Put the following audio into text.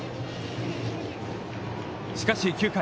しかし、９回。